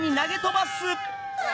あ！